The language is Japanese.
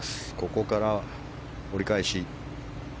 ここから折り返し。